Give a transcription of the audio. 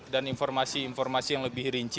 dan informasi informasi yang lebih rinci